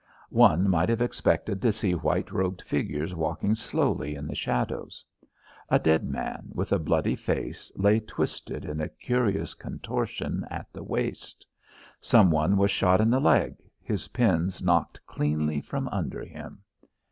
One might have expected to see white robed figures walking slowly in the shadows. A dead man, with a bloody face, lay twisted in a curious contortion at the waist. Someone was shot in the leg, his pins knocked cleanly from under him.